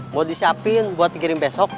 mau disiapin buat dikirim besok